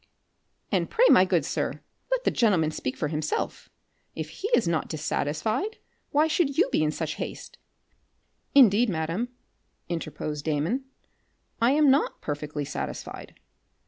"And pray, my good sir, let the gentleman speak for himself. If he is not dissatisfied, why should you be in such haste?" "Indeed, madam," interposed Damon, "I am not perfectly satisfied.